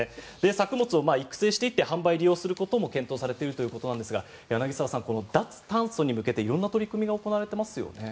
作物を育成していって販売・利用することも検討されているということなんですが柳澤さん、この脱炭素に向けて色んな取り組みが行われていますね。